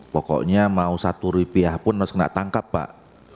pokoknya mau satu rupiah pun harus kena tangkap pak